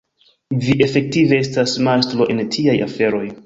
Vi, efektive, estas majstro en tiaj aferoj.